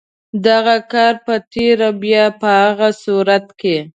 دغه کار په تېره بیا په هغه صورت کې.